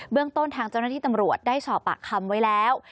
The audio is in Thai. เรื่องต้นทางเจ้าหน้าที่ตำรวจได้สอบปากคำไว้แล้ว